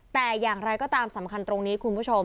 แต่อย่างไรก็ตามสำคัญตรงนี้คุณผู้ชม